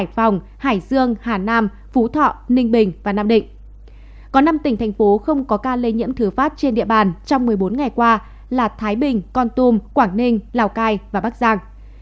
có năm tỉnh thành phố không có ca lây nhiễm thứ phát trên địa bàn trong một mươi bốn ngày qua là thái bình con tum quảng ninh lào cai và bắc giang